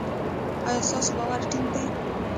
ایا ستاسو باور ټینګ دی؟